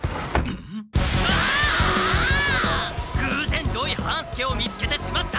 ぐうぜん土井半助を見つけてしまった！